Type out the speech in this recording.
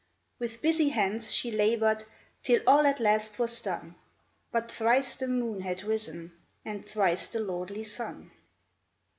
With busy hands she labored Till all at last was done — But thrice the moon had risen, And thrice the lordly sun